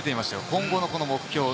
今後の目標を。